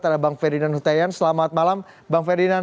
adalah bang ferdinand huteyan selamat malam bang ferdinand